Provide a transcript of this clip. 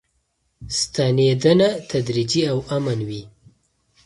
ستنېدنه تدریجي او امن وي.